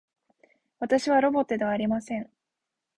私はロボットではありません